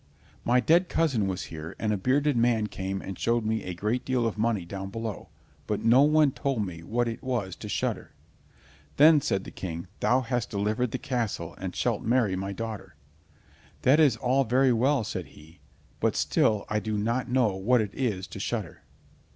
My dead cousin was here, and a bearded man came and showed me a great deal of money down below, but no one told me what it was to shudder." "Then," said the King, "thou hast delivered the castle, and shalt marry my daughter." "That is all very well," said he, "but still I do not know what it is to shudder!"